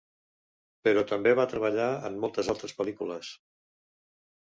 Però també va treballar en moltes altres pel·lícules.